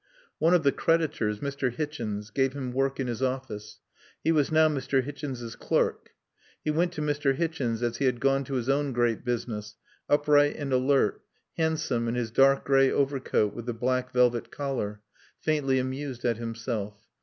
One of the creditors, Mr. Hichens, gave him work in his office. He was now Mr. Hichens's clerk. He went to Mr. Hichens as he had gone to his own great business, upright and alert, handsome in his dark gray overcoat with the black velvet collar, faintly amused at himself.